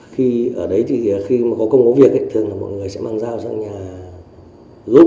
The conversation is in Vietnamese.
khi ở đấy thì khi mà có công bố việc thường là mọi người sẽ mang dao sang nhà giúp